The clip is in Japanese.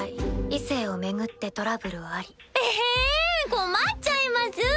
困っちゃいますぅ。